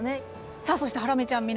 さあそしてハラミちゃん皆さん